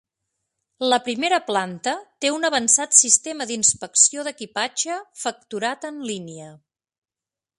La primera planta té un avançat sistema d'inspecció d'equipatge facturat en línia.